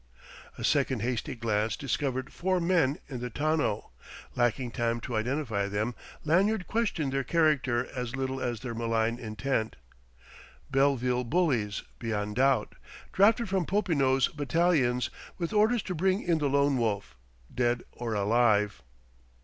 A second hasty glance discovered four men in the tonneau. Lacking time to identify them, Lanyard questioned their character as little as their malign intent: Belleville bullies, beyond doubt, drafted from Popinot's batallions, with orders to bring in the Lone Wolf, dead or alive.